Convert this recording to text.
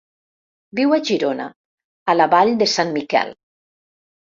Viu a Girona, a la vall de Sant Miquel.